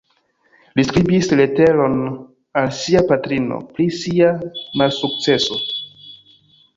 Li skribis leteron al sia patrino, pri sia malsukceso.